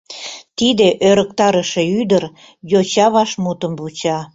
Тиде ӧрыктарыше ӱдыр йоча вашмутым вуча.